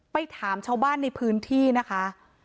ไปถามชาวบ้านในพื้นที่นะคะ